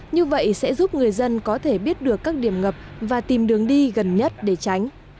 như vậy sẽ giúp người dân có thể biết được các điểm ngập và tìm đường đi gần nhất để tránh